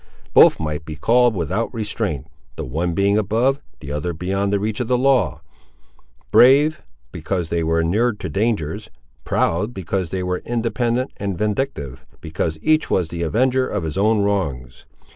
Both might be called without restraint; the one being above, the other beyond the reach of the law—brave, because they were inured to dangers—proud, because they were independent, and vindictive, because each was the avenger of his own wrongs.